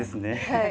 はい。